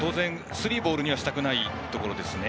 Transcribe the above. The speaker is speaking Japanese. スリーボールにはしたくないですね。